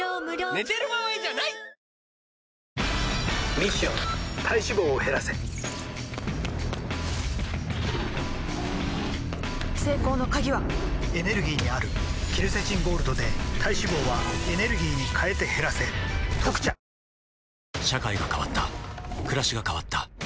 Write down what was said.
ミッション体脂肪を減らせ成功の鍵はエネルギーにあるケルセチンゴールドで体脂肪はエネルギーに変えて減らせ「特茶」さぁ打ち返そう